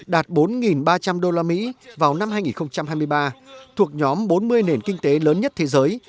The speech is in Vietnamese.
đạt bốn ba trăm linh usd vào năm hai nghìn hai mươi ba thuộc nhóm bốn mươi nền kinh tế lớn nhất thế giới